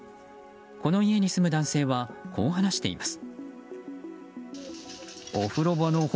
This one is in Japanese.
この家に住む男性はこう話しています。